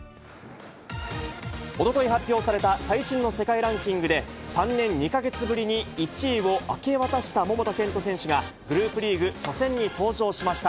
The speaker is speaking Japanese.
おととい発表された、最新の世界ランキングで、３年２か月ぶりに１位を明け渡した桃田賢斗選手が、グループリーグ初戦に登場しました。